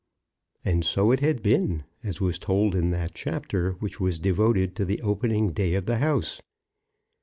And so it had been, as was told in that chapter which was devoted to the opening day of the house.